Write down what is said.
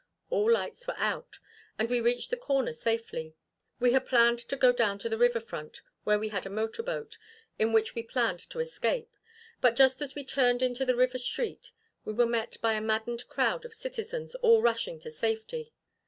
All lights were out, and we reached the corner safely. We had planned to go down to the river front, where we had a motor boat, in which we planned to escape. But just as we turned into the river street, we were met by a maddened crowd of citizens all rushing to safety.